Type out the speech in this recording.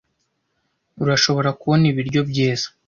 Urashobora kubona ibiryo byiza